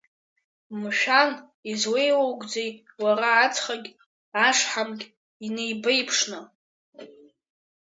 Мшәан, излеилоугӡеи уара ацхагь ашҳамгь инеибеиԥшны?